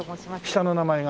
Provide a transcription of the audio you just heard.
下の名前が？